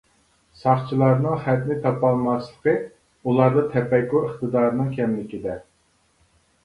ساقچىلارنىڭ خەتنى تاپالماسلىقى ئۇلاردا تەپەككۇر ئىقتىدارىنىڭ كەملىكىدە.